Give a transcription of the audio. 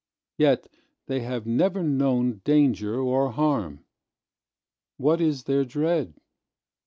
Yet they have never knownDanger or harm. What is their dread?